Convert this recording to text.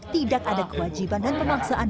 tidak ada kewajiban dan pemaksaan